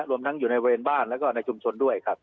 รวมทั้งอยู่ในบริเวณบ้านแล้วก็ในชุมชนด้วยครับ